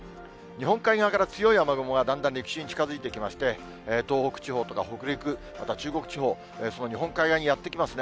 日本海側から強い雨雲がだんだん陸地に近づいてきまして、東北地方とか北陸、また中国地方、その日本海側にやって来ますね。